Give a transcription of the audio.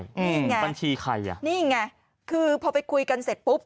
นี่ไงบัญชีใครอ่ะนี่ไงคือพอไปคุยกันเสร็จปุ๊บ